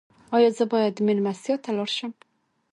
ایا زه باید میلمستیا ته لاړ شم؟